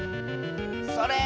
それ！